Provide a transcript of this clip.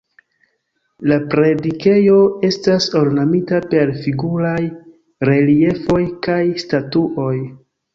La predikejo estas ornamita per figuraj reliefoj kaj statuoj.